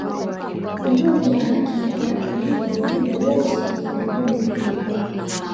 mbuni anakimbia kuliko viumbe wote wenye miguu miwili